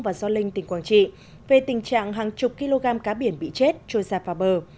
và gio linh tỉnh quảng trị về tình trạng hàng chục kg cá biển bị chết trôi giạp vào bờ